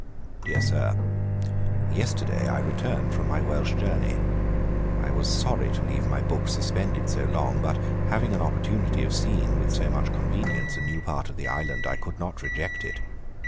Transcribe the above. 'DEAR SIR, 'Yesterday I returned from my Welch journey, I was sorry to leave my book suspended so long; but having an opportunity of seeing, with so much convenience, a new part of the island, I could not reject it.